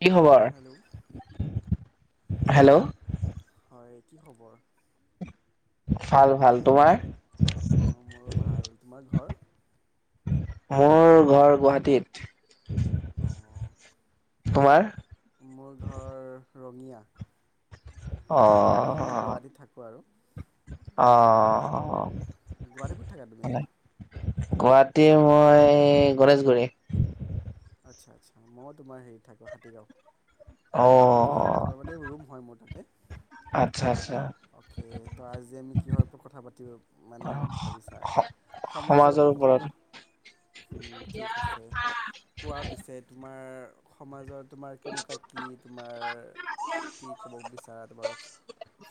কি খবৰ? Hello hello. হয় কি খবৰ? ভাল, ভাল তোমাৰ? অঁ মোৰো ভাল তোমাৰ ঘৰ মোৰ ঘৰ গুৱাহাটীত। অ' তোমাৰ? মোৰ ঘৰ। ৰঙিয়া। কিন্তু অ'- বাট মই গুৱাহাটীত থাকোঁ আৰু অ'। অ'-অ'। অ। গুৱাহাটীৰ ক'ত থাকা তুমি? গুৱাহাটীৰ মই গণেশগুৰি। আচ্ছা আচ্ছা মইও তোমাৰ হেৰিত থাকো হাতীগাঁও। হাতীগাওঁ অ', তোমাৰ মানে ৰুম হয় মোৰ তাতে। আচ্ছা আচ্ছা অকে ত আজি আমি কিহৰ ওপৰত কথা পাতিব মানে ভাবিছা? সমাজৰ ওপৰত কথা উম ঠিক আছে। কোৱা পিছে তোমাৰ সমাজত তোমাৰ কেনেকুৱা কি তোমাৰ কি ক'ব বিচাৰা তুমি? তোমাৰ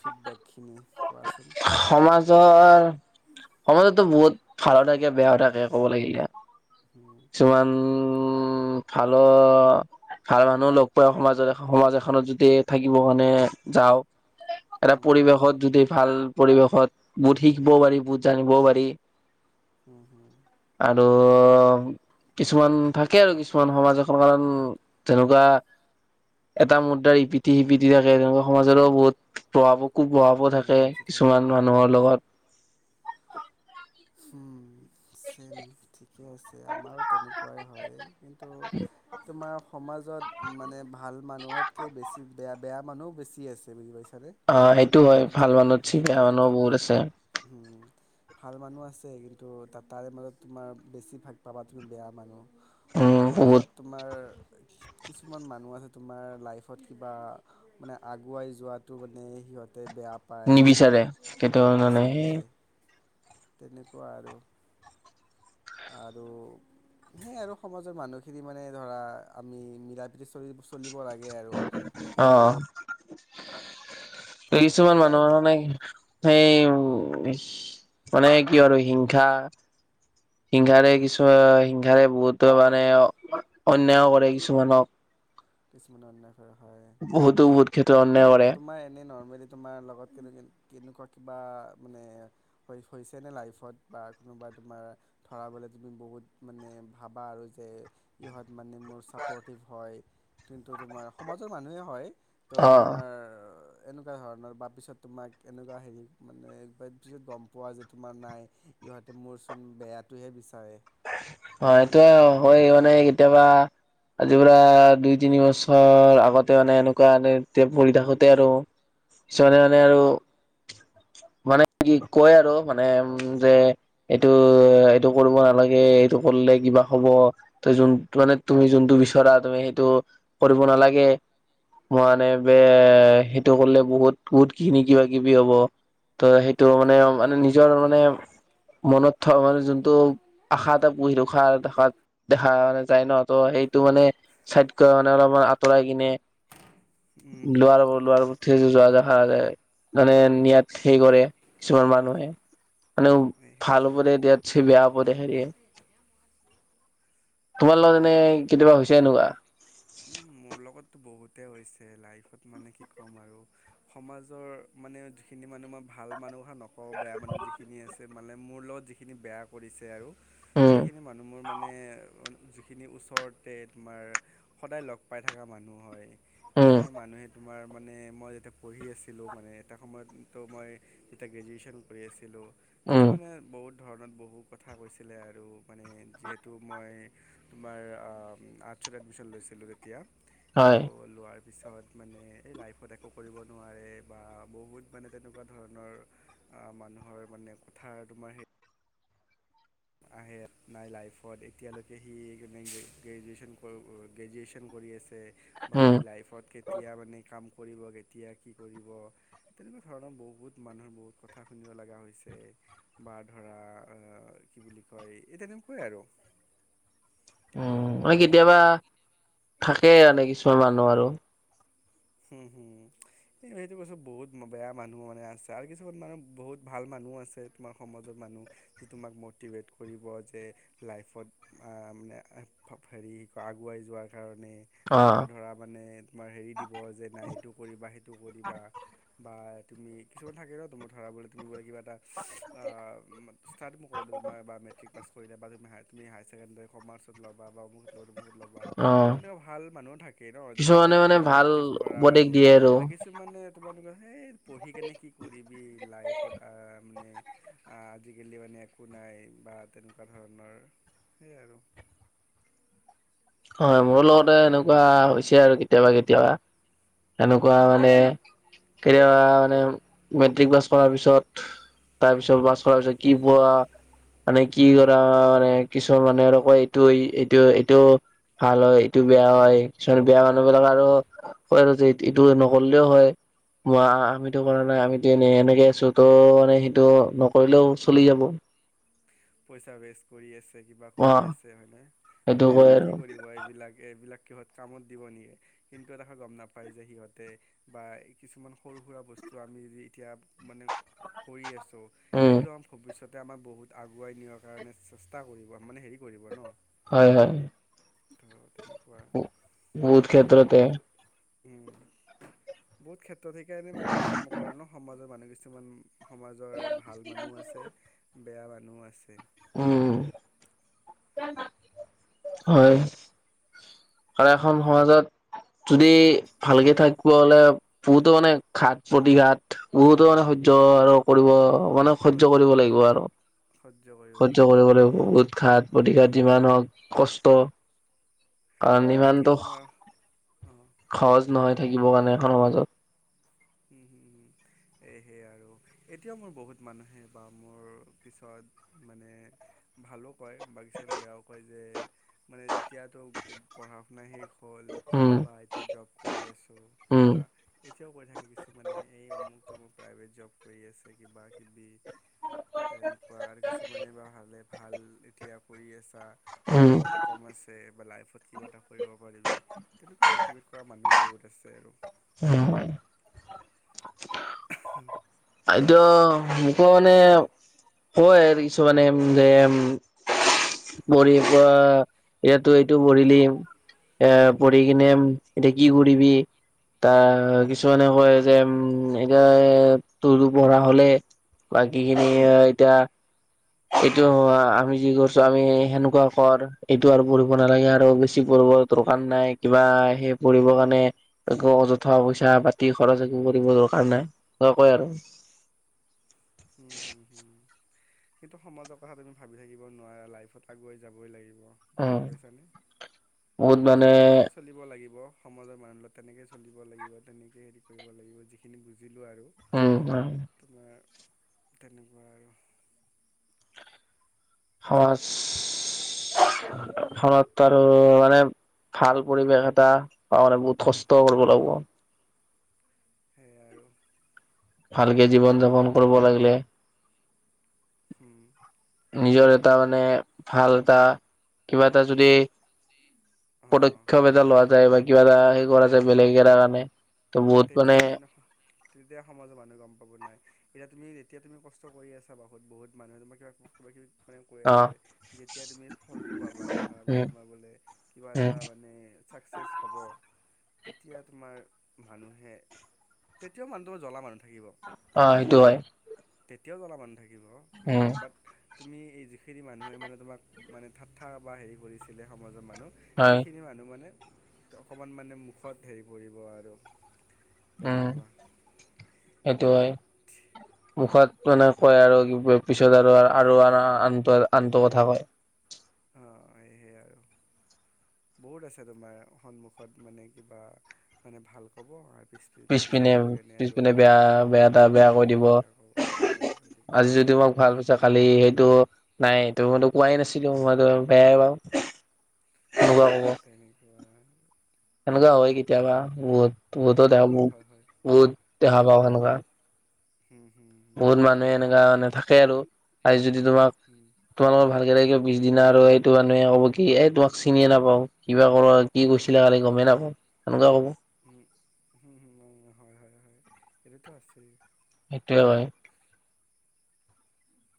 ফিডবেকখিনি কোৱাচোন সমাজৰ সমাজতটো বহুত ভাল থাকে, বেয়াও থাকে ক'ব লাগিলে হুম, কিছুমান ফালৰ ভাল মানুহো লগ পায় সমাজত। সমাজ এখনত যদি থাকিব কাৰণে যাও এটা হুম, পৰিৱেশত যদি ভাল পৰিৱেশত বহুত শিকিবও পাৰি, বহুত জানিবও পাৰি। হম, হম। অ' কিছুমান থাকে, আৰু কিছুমান, সমাজ এখন, কাৰণ তেনেকুৱা এটা মুদ্ৰাৰ ইপিঠি-সিপিঠি থাকে। তেনেকুৱা সমাজৰো বহুত প্ৰভাৱো কূ-প্ৰভাৱো থাকে নিয়ম নীতি থাকে কিছুমান হয় মানুহৰ লগত উম, চেম থি পিছে আমাৰো তেনেকুৱাই হয়, কিন্তু তোমাৰ সমাজত মানে, ভা ভাল মানুহতকে বেছি বেয়া-বেয়া মানুহো বেছি আছে বুজি পাইছে। আহ সেইটো হয় ভাল মানুহত [unintelligible] মানুহ সেইটোৱেইটো বহুত আছে। হুম, ভাল মানুহ আছে কিন্তু ত-তাৰে মাজত তোমাৰ বেছি ভাগ পাবা তুমি বেয়া মানুহ। উম বহুত সমাজত তোমাৰ। কিছুমান মানুহ আছে তোমাৰ লাইফত কিবা মানে আগুৱাই যোৱাটো মানে সিহঁত নিবিচাৰে কিন্তয়া মানে। নিবিচাৰে তেনেকুৱা আৰু। আৰু সেইয়ে আৰু সমাজৰ মানুহখিনি মানে ধৰা আমি মিলা প্ৰীতি চল-চলিব লাগে। গে আৰু অ কিন্তু কিছুমান উপায় মানুহৰ মানে সেই উ মানে কি আৰু হিংসা, হিংসাৰে কিছু হিংসাৰে বহুতো মানে অন্যায় কৰে কিছুমানক। কিছুমানে অন্যায় কৰে হয়। বহুতো বহুত খ তোমাৰ এনেই নৰ্মেলি তোমাৰ লগত কিন্তু কি কেনেকুৱা কিবা মানে হৈছেনে লাইফত? বা কোনোবা তোমাৰ ধৰাবলৈ তুমি বহুত মানে ভাবা আৰু যে ইহঁত মানে মোৰ ছাপৰ্টিভ হয়। কিন্তু তোমাৰ সমাজৰ মানুহে হয়। তো অ'। তোমাৰ এনেকুৱা ধৰণৰ বা পিছত তোমাক এনেকুৱা হেৰি মানে পিছত গম পোৱা যে তোমাৰ নাই, ইহঁতে মোৰচোন বেয়াটোহে বিচাৰে। হয়। এইটো হয় মানে কেতিয়াবা আজি পৰা দুই তিনি বছৰ আগতে মানে এনেকুৱা এ এ পঢ়ি থাকোতে আৰু পিনে মনে উম আৰু। মানে কি কয় আৰু মানে উ- যে এইটো-এইটো কৰিব নালাগে। এইটো কৰিলে কিবা হব ত যোন মানে তুমি যোনটো বিচৰা, তুমি সেইটো কৰিব নালাগে। মানে বে- সেইটো কৰিলে বহুত-বহুত কিনি কিবা-কিবি হ'ব। ত সেইটো মানে-মানে নিজৰ মানে মনত থ মানে যোনটো আশাত পুহি ৰখা দেখতখ মানে যায় ন ত সেইটো মানে চাইডকৈ মানে অলপমান আঁতৰাই কিনে উম লোৱাৰ-লোৱাৰ উঠিছ যোৱা দেখা মানে নিয়াত হে কৰে কিছুমান মানুহে মানে ভাল সেইটোৱে ওপৰে দিয়াতচে বেয়া ওপদ হেৰি তোমাৰ লগত এনে কেতিয়াবা হৈছে এনেকুৱা? উম, মোৰ লগততো বহুতেই হৈছে লাইফত মানে কি ক'ম আৰু সমাজৰ মানে যিখিনি মানুহ মই ভাল মানুহ অহা নক আকৌ বেয়া মানুহ যিখিনি আছে মানে মোৰ লগত যিখিনি বেয়া কৰিছে আৰু উম সেইখিনি মানুহ মোৰ মানে যিখিনি ওচৰতে তোমাৰ সদায় লগ পাই থকা মানুহ হয়। উম সেইখিনি মানুহে তোমাৰ মানে মই যেতিয়া পঢ়ি আছিলোঁ, মানে এটা সময়তটো মই যেতিয়া গ্ৰেজুৱেশ্যন কৰি আছিলোঁ উম তেতিয়া মানে, বহুত ধৰণত বহু কথা কৈছিলে। আৰু মানে, যিহেতু মই তোমাৰ আৰ্টছত এডমিশন লৈছিলোঁ তিয়া হয তাৰপিছত মানে এই লাইফত একো কৰিব নোৱাৰে বা বহুত মানে তেনেকুৱা ধৰণৰ মানুহৰ মানে কথাৰ তোমাৰ হেৰি আহে নাই লাইফত এতিয়ালৈকে সি গ্ৰেজুৱেচন গ্ৰেজুৱেচন কৰি আছে। উম সি লাইফত কেতিয়া মানে কাম কৰিব কেতিয়া কি কৰিব? তেনেকুৱা ধৰণৰ বহুত মানুহ বহুত কথা শুনিব লগা হৈছে। বা ধৰা কি বুলি কয় এতিয়া তেনেকুৱাই আৰু। উম মানে কেতিয়াবা থাকেই মানে কিছুমান মানুহ আৰু। হয় [inaudible] হম-হম এই সেইটো কৈছো বহুত বেয়া মানুহ মানে আছে আৰু কিছুমান মানুহ বহুত ভাল মানুহ আছে তোমাৰ সমাজৰ মানুহ যে তোমাক মটিভেট কৰিব যে লাইফত মানে হেৰি কয় আগুৱাই যোৱাৰ কাৰণে। মানে বা অ', ধৰা মানে তোমাৰ হেৰি ক'ব যে নাই এইটো কৰিবা সেইটো কৰিবা বা তুমি কিছুমান থাকে ন তোমাৰ ধৰা বোলে তুমি বোলে কিবা ষ্টাৰ্ট মই কৰিলোঁ মেট্ৰিক পাছ কৰিলা বা তুমি হায়াৰ ছেকেণ্ডাৰী কমাৰ্চছত ল'বা বা বুত ল বহুত ল'বা অ', তেনেকুৱা ভাল মানুহো থাকে ন তোমাক কিছুমানে মানে ম ভাল ম'টিভ কৰা উপদেশ আৰু দিয়ে কিছুমানে তোমাৰ এই পঢ়ি কেনে কি কৰিবি? লাইফত মানে আজিকালি মানে একো নাই বা তেনেকুৱা ধৰণৰ সেয়াই আৰু হয় মোৰো লগতে এনেকুৱা হৈছে আৰু কেতিয়াবা কেতিয়াবা। এনেকুৱা মানে এতিয়া মানে মেট্ৰিক পাছ কৰাৰ পিছত তাৰ পিছত কি পঢ়া মানে কি কৰা মানে কিছুমান মানুহে আৰু কয় এইটো এইটো এইটো ভাল হয় ইটো বেয়া হয় কিছুমান বেয়া মানুহ বিলাক আৰু কয় আৰু যে এইটো নহলেও হয় মই আমিতো কৰা নাই আমিতো এনে এনেকে আছোঁ তইও মানে সেইটো নকৰিলেও চলি যাব। পইচা ৱেষ্ট কৰি আছে। কিবা কৰি অ'। আছে হয় নে সেইটো কয় লাইফট কি আৰু কৰিব? এইবিলাক এইবিলাক কিহঁত কামত দিব নিয়ে কিন্তু এটা ক গম নাপায় যে সিহঁতে বা কিছুমান সৰু সুৰা বস্তু আমি য এতিয়া মানে কৰি আছোঁ। ত' উম সেইটো আমাৰ ভৱিষ্যত আমাৰ বহুত আগ আগুৱাই নিয়াৰ কাৰণে চেষ্টা কৰিব। মানে হেৰি হয় -হয়। ত তেনে বহুত ক্ষেত্ৰতে। উম বহুত ক্ষেত ত' সেইকাৰণে মানে কি মই কলো নহয় সমাজৰ মানুহ কি উম। সমাজৰ ভাল মানুহ আছে বেয়া মা নুহ আছে। উম। হয়। আৰু এখন আৰু সমাজত যদি ভালকে থাকিবলে হ'লে বহুতো মানে ঘাট- প্ৰতিঘাট বহুতো মানে সহ্য আৰু কৰিব মানে সহ্য কৰিব লাগিব আৰু সহ্য কৰিব লাগিব বহুত ঘাট প্ৰতিঘাট যিমান হওঁক কষ্ট কাৰণ এতিয়াও ইমানটো তোমাৰ অ সহজ নহয় থাকিব কাৰণে এখন সমাজত। উম, উম, উম, এই সেই আৰু এতিয়াও মোৰ বহুত মানুহে বা মোৰ পিছত মানে ভালক কয় বা কিছুমান বেয়াও কয় যে মানে এতিয়াতো পঢ়া শুনা শেষ হ'ল উম বা এতিয়া জব কৰি আছো উম বা কিয় কৈ থাকে কি কিছুমানে এই অমুক - তমোক প্ৰাইভেট জব কৰি আছে কিবা কিবি। তেনেকুৱা আৰু কিছুমানে বা ভালে ভাল এতিয়া কৰি আছা। উম বয়স কম আছে এবা লাইভ কিবা এটা কৰিব [unintelligible] তেনেকুৱা মিভেট কৰা মানুহ বহুত আছে আৰু উ [inaudible] হম [inaudible] এইটো মোকো মানে কয় আৰু কিছুমানে যে পঢ়ি পোৱা এইটো এইটো পঢ়িলি এ পঢ়ি কিনে এতিয়া কি কৰিবি? তাৰ কিছুমানে কয় যে উম এতিয়া তোৰো পঢ়া হ'লে বাকী খিনি এতিয়া সেই টো আমি যি কৰিছো আমি সেনেকুৱা কৰ। এইটো আৰু পঢ়িব নালাগে আৰু বেছি পঢ়িব দৰকাৰ নাই। কিবা সেই পঢ়িবৰ কাৰণে আকৌ অযথা পইচা পাতি খৰচ। একো কৰিব দৰকাৰ নাই কয় আৰু। উম, হম- হুম সেই টো সমাজৰ কথা তুমি ভাবি থাকিব নোৱাৰা। লাইফত আগুৱাই যাবই লাগিব। উম বুজি পাইছানে? বহুত মানে হেৰি কে চলিব লাগিব। সমাজৰ মানুহ লগত তেনেকে চলিব লাগিব তেনেকে হেৰি কৰিব লাগিব। যিখিনি বুজ দিলো আৰু উম তোমাৰ তেনেকুৱা আৰু সমাজ খনত আৰু মানে ভাল পৰিৱেশ এটা মানে বহুত কষ্ট কৰিব লাগিব। সেইয়াই আৰু ভালকে জীৱন-যাপন কৰিব লাগিলে হম। নিজৰ এটা মানে ভাল এটা, কিবা এটা যদি অঁ পদক্ষেপ এটা লোৱা যায় বাক কিবা এটা হে কৰা আছে বেলেগ এটাৰ কাৰণে। ত বহুত তেতিয়া মানে তেতিয়া সমাজ মানুহ গম ক'ব নাই, এতিয়া তুমি তেতিয়া তুমি কষ্ট কৰি আছা বহুত বহুত মানুহে তমৰ কিবা কিবা কিবি অ আছে যেতিয়া তুমি ফলটো পাবা উম তোমাৰ বোলে কিবা উম এটা মানে চাকচেচ হ'ব। তেতিয়া তোমাৰ মানুহে, তেতিয়াও মানুহটো জ্বলা মানুহ থাকিব অ', সেইটো হয়। তেতিয়াও জ্বলা বান্ধ থাকে। থাকিব কিন্তু উম বাত তুমি এই যিখিনি মানুহে মানে তোমাক মানে ঠাট্টা বা হেৰি কৰিছিলে সম মানুহ হয় সেইখিনি মানুহ মানে। অকমান মানে মুখত হেৰি পৰিব আৰু তেনেকুৱা ক য় মুখত মানে কয় আৰু পিছত আৰু আৰা আনটো নটো কথা কয়শ অ সেহে আৰু বহুত আছে তোমাৰ সন্মুখত মানে কিবা মানে ভাল ক'ব পিছ পিছত পিছপিনে গৈ কেনে আৰু পিছপিনে বেয়া বেয়া এটা বেয়া কৈ উম দিব বেয়া ক'ব বেয়া কৈ দিব আজি যদি মোক ভাল পাইছো কালি সেইটো। নাই তো মইতো কোৱাই নাছিলো মইতো বেয়াই পাওঁ সেনেকুৱা উম কব তেনেকুৱা সেনেকুৱা হয় এ কেতিয়াবা বহুত বহুতো হয় হয় হয় হয় বহুত দেখা ত দেখা পাও বহুত সেনেকুৱা। হুম হুম বহুত বহুতে মানুহে হয় এনেককা মানে থাকে আৰু। আজি যদি। যদি তোমাক উম তোমালোকৰ ভালকে। পিছদিনা আৰু এইটো মানুহে ক'ব কি এই তোমাক চিনিয়ে নাপাও কি। কিবা কৰ কি উম কৈছিলা কালি গমেই নাপাওঁ সেনেকুৱা কব উম উম হম উ হয় হয় হয় এটোটোতো আছে সেইটোৱে হয়।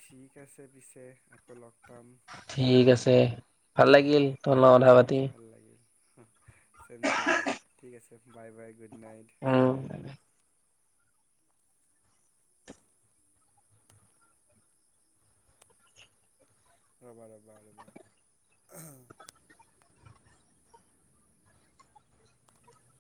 ঠিক আছে পিছে আকৌ লগ পাম ঠিক আছে ভাল লাগিল ত লগত [unintelligible] ছেম টু ইউ ঠিক আছে বাই বাই গুড নাইট উম ৰবা ৰবা ৰবা